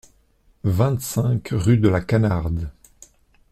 vingt-cinq rue de la Canarde